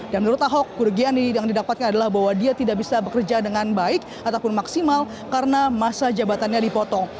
dan menurut ahok kerugian yang didapatkan adalah bahwa dia tidak bisa bekerja dengan baik ataupun maksimal karena masa jabatannya dipotong